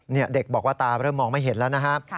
เด็กบอกว่าตาเริ่มมองไม่เห็นแล้วนะครับ